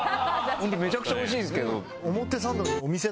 ホントめちゃくちゃ美味しいんですけど。